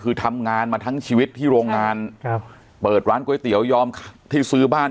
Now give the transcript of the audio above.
คือทำงานมาทั้งชีวิตที่โรงงานครับเปิดร้านก๋วยเตี๋ยวยอมที่ซื้อบ้าน